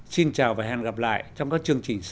xin chào và hẹn gặp lại trong các chương trình sau